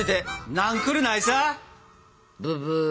ブブー。